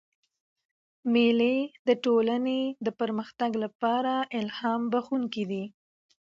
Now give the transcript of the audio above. مېلې د ټولني د پرمختګ له پاره الهام بخښونکي دي.